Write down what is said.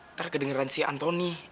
ntar kedengeran si antoni